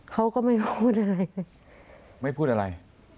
เขาก็ไม่พูดอะไรไม่พูดอะไร